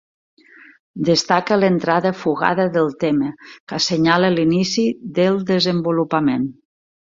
Destaca l'entrada fugada del tema, que assenyala l'inici del desenvolupament.